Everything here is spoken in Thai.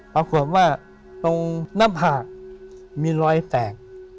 ปรากฏว่าตรงหน้าผากมีรอยแตก